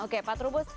oke pak trubus